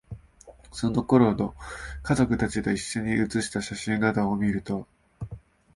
その頃の、家族達と一緒に写した写真などを見ると、